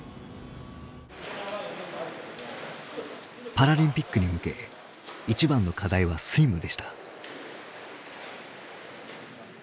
パラリンピックに向け一番の課題はスイムでした。